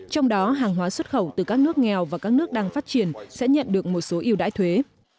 trong đó hàng hóa xuất khẩu từ các nước nghèo và các nước đang phát triển sẽ nhận được một số yêu đãi thuế